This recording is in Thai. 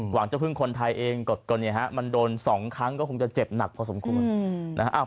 หวังจะพึ่งคนไทยเองก็เนี่ยฮะมันโดน๒ครั้งก็คงจะเจ็บหนักพอสมควรนะฮะ